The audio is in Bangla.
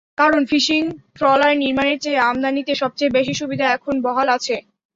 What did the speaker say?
কারণ ফিশিং ট্রলার নির্মাণের চেয়ে আমদানিতে সবচেয়ে বেশি সুবিধা এখন বহাল আছে।